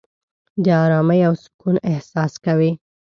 د آرامۍ او سکون احساس کوې.